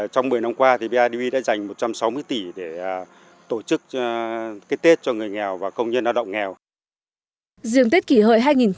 trong một mươi năm qua bidv đã dành một trăm sáu mươi tỷ để tổ chức tết cho người nghèo và công nhân lao động nghèo